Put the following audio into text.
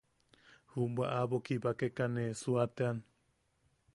Jubwa aʼabo kibakeka ne suateʼean.